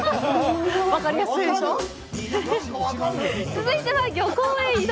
続いては、漁港へ移動！